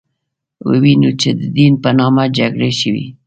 له بلې خوا به ووینو چې د دین په نامه جګړې شوې.